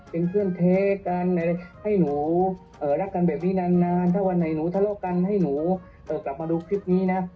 เป็นเพื่อนแท้กันให้หนูรักกันแบบนี้นานถ้าวันไหนหนูทะเลาะกันให้หนูกลับมาดูคลิปนี้นะ